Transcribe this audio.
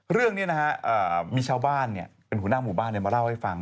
เรื่องนี้นะฮะมีชาวบ้านเป็นหัวหน้าหมู่บ้านมาเล่าให้ฟัง